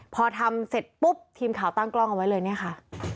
พอทำเสร็จปุ๊บทีมข่าวตั้งกล้องเอาไว้เลยเนี่ยค่ะ